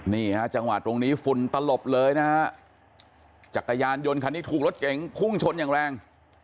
นี่ฮะจังหวะตรงนี้ฝุ่นตลบเลยนะฮะจักรยานยนต์คันนี้ถูกรถเก๋งพุ่งชนอย่างแรง